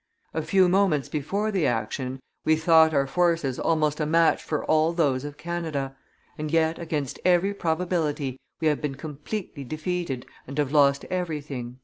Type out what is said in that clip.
A few moments before the action we thought our forces almost a match for all those of Canada; and yet, against every probability, we have been completely defeated and have lost everything."